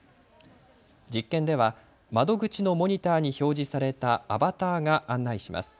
実験では窓口のモニターに表示されたアバターが案内します。